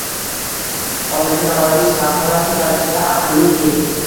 Hozirgi zamonaviy smartfonlar shu darajada aqlliki